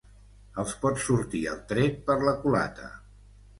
“Els pot sortir el tret per la culata”